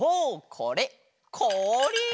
これこおり！